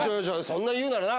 そんなに言うならな。